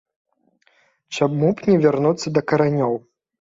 Чаму б не вярнуцца да каранёў.